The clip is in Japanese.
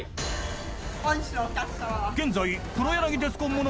［現在］